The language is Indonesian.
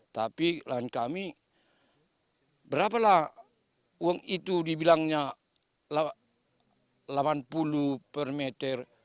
tapi lahan kami berapa lah uang itu dibilangnya delapan puluh per meter